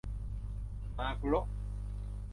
มากุโระ !